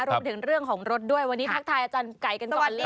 รวมถึงเรื่องของรถด้วยวันนี้ทักทายอาจารย์ไก่กันก่อนเลย